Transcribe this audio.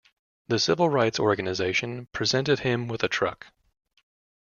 The civil rights organization presented him with a truck.